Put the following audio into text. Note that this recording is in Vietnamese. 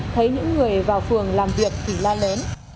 thấy những người vào phường làm việc thì la lớn